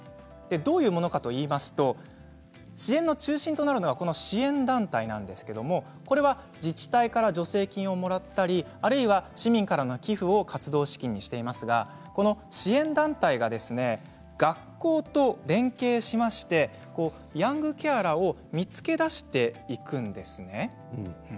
どういうものかといいますと支援の中心となるのは支援団体なんですけれどもこれは自治体から助成金をもらったり、あるいは市民からの寄付などを活動資金にしていますがこの支援団体が学校と連携しましてヤングケアラーを見つけ出していくんですね。